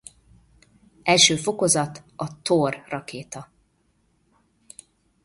Első fokozat a Thor rakéta.